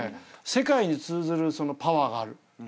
世界に通ずるパワーがある。